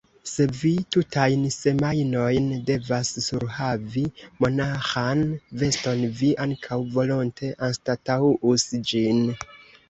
Se vi tutajn semajnojn devas surhavi monaĥan veston, vi ankaŭ volonte anstataŭus ĝin.